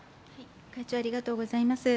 会長、ありがとうございます。